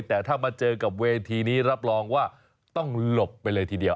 แต่ถ้ามาเจอกับเวทีนี้รับรองว่าต้องหลบไปเลยทีเดียว